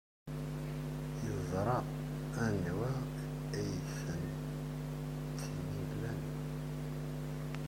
Yeẓra anwa ay ten-ilan.